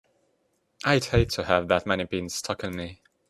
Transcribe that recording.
I'd hate to have that many pins stuck in me!